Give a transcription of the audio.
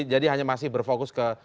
jadi hanya masih berfokus ke